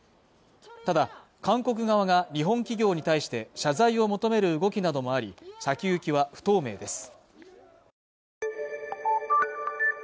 ただ韓国側が日本企業に対して謝罪を求める動きなどもあり先行きは不透明です